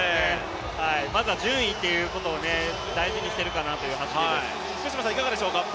まずは順位ということを大事にしているかなという走りです。